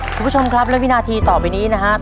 คุณผู้ชมครับและวินาทีต่อไปนี้นะครับ